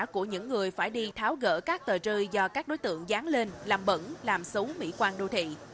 của những người phải đi tháo gỡ các tờ rơi do các đối tượng dán lên làm bẩn làm xấu mỹ quan đô thị